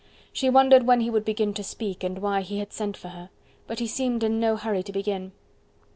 She wondered when he would begin to speak and why he had sent for her. But he seemed in no hurry to begin.